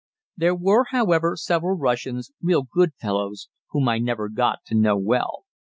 There were, however, several Russians, real good fellows, whom I never got to know well.